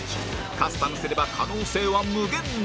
カスタムすれば可能性は無限大